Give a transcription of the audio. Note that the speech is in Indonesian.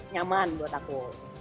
nyaman buat aku